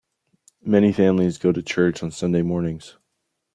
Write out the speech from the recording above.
Many families go to church on Sunday mornings.